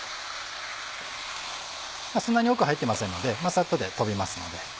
そんなに多くは入ってませんのでさっとで飛びますので。